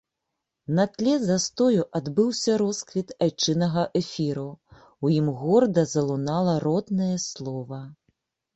На тле застою адбыўся росквіт айчыннага эфіру, у ім горда залунала роднае слова.